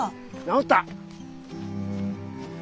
治った！